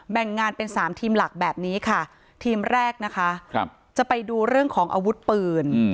แบ่งงานเป็นสามทีมหลักแบบนี้ค่ะทีมแรกนะคะจะไปดูเรื่องของอาวุธปืน